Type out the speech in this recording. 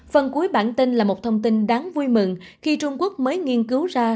phần cuối bản tin là một thông tin đáng vui mừng khi trung quốc mới nghiên cứu ra